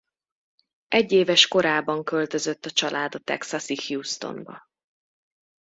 Egyéves korában költözött a család a Texasi Houstonba.